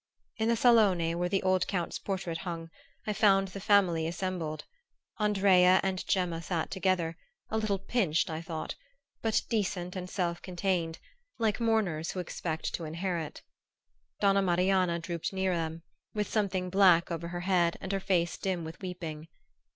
In the salone, where the old Count's portrait hung, I found the family assembled. Andrea and Gemma sat together, a little pinched, I thought, but decent and self contained, like mourners who expect to inherit. Donna Marianna drooped near them, with something black over her head and her face dim with weeping.